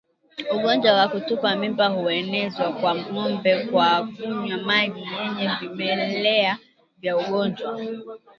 Ugonjwa wa kutupa mimba huenezwa kwa ngombe kwa kunywa maji yenye vimelea vya ugonjwa